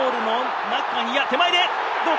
手前で、どうか？